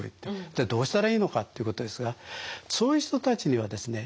じゃあどうしたらいいのかっていうことですがそういう人たちにはですね